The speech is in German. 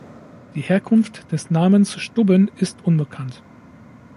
Die Herkunft des Namens Stubben ist unbekannt.